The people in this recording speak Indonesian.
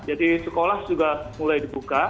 jadi sekolah juga mulai dibuka